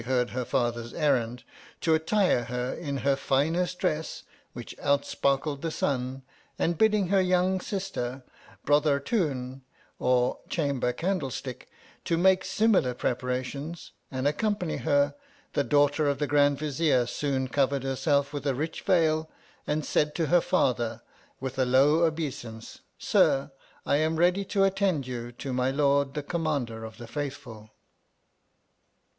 heard her father's errand, to attire her in her finest dress which outsparkled the sun ; and bidding her young sister, Brothartoon (or Chamber Candlestick), to make similar prepa rations and accompany her ; the daughter of the Grand Vizier soon covered herself with a rich veil, and said to her father, with a low obeisance, Sir, I am ready to attend you, to my Lord, the Commander of the Faithful.